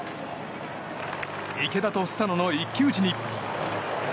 池田とスタノの一騎打ちに。